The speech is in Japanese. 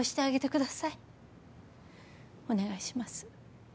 お願いします。